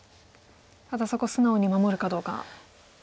ただそこ素直に守るかどうか。